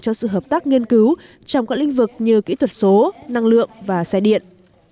cho sự hợp tác nghiên cứu trong các lĩnh vực như kỹ thuật số năng lượng và xe điện